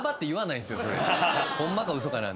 ホンマか嘘かなんで。